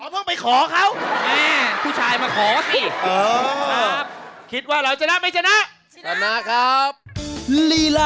ไม่ค่ะคือเพิ่งเริ่ม